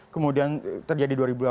kemudian terjadi dua ribu delapan belas